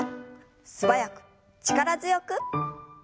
素早く力強く。